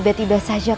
kau tidak tahu apa itu